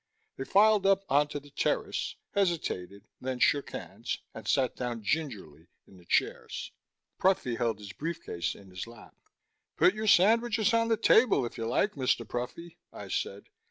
They filed up onto the terrace, hesitated, then shook hands, and sat down gingerly in the chairs. Pruffy held his briefcase in his lap. "Put your sandwiches on the table, if you like, Mr. Pruffy," I said.